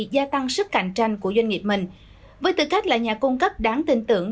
gia tăng sức cạnh tranh của doanh nghiệp mình với tư cách là nhà cung cấp đáng tin tưởng